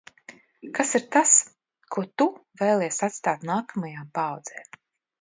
Kas ir tas, ko tu vēlies atstāt nākamajām paaudzēm?